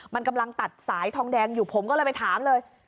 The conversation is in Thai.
มันกำลังตัดสายทองแดงอยู่ผมก็เลยไปถามเลย